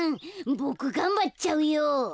ボクがんばっちゃうよ。